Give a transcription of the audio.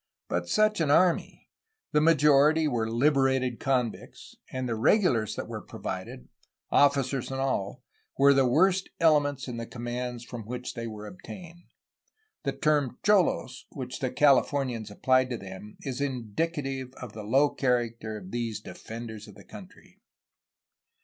But such an army! The majority were liberated convicts, and the regulars that were provided, officers and all, were the worst elements in the commands from which they were obtained. The term '' cholos/^ which the Califor nians apphed to them, is indicative of the low character of these ^^ defenders of the country.''